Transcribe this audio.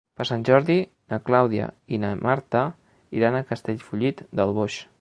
Per Sant Jordi na Clàudia i na Marta iran a Castellfollit del Boix.